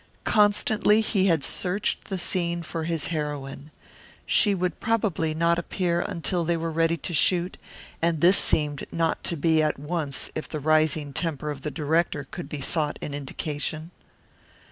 Constantly he had searched the scene for his heroine. She would probably not appear until they were ready to shoot, and this seemed not to be at once if the rising temper of the director could be thought an indication.